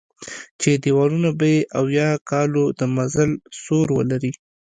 چې دېوالونه به یې اویا کالو د مزل سور ولري.